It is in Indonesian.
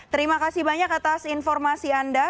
terima kasih banyak atas informasi anda